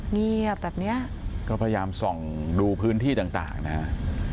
เงียบแบบเนี้ยก็พยายามส่องดูพื้นที่ต่างนะฮะ